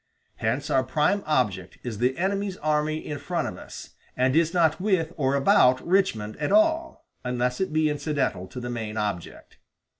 Hence, our prime object is the enemy's army in front of us, and is not with or about Richmond at all, unless it be incidental to the main object."